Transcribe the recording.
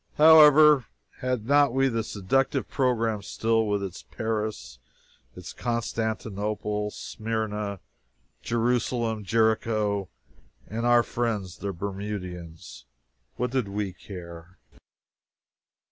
However, had not we the seductive program still, with its Paris, its Constantinople, Smyrna, Jerusalem, Jericho, and "our friends the Bermudians?" What did we care?